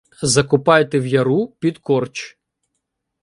— Закопайте в яру під корч.